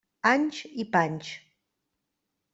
Anys i panys.